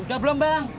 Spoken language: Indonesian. udah belum bang